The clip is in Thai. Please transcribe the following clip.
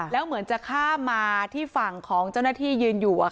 แล้วเหมือนจะข้ามมาที่ฝั่งของเจ้าหน้าที่ยืนอยู่